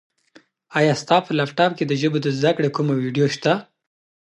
ایا ستا په لیپټاپ کي د ژبو د زده کړې کومه ویډیو شته؟